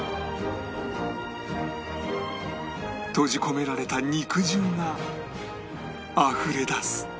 閉じ込められた肉汁があふれ出す